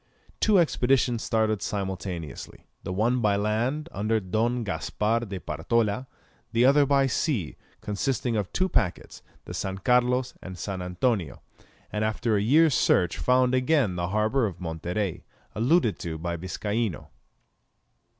Two expeditions started simultaneously, the one by land, under Don Gaspar de Partola, the other by sea, consisting of two packets, the San Carlos and San Antonio, and after a year's search found again the harbour of Monterey, alluded to by Viscaino.